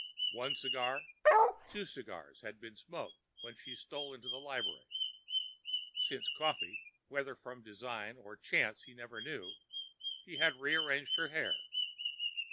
One cigar—two cigars had been smoked when she stole into the library. Since coffee (whether from design or chance he never knew), she had rearranged her hair.